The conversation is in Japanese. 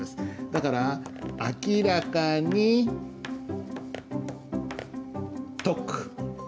だから「明らかに説く」